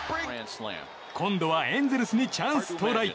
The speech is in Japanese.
今度はエンゼルスにチャンス到来。